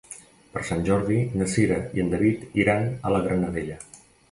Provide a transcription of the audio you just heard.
Per Sant Jordi na Cira i en David iran a la Granadella.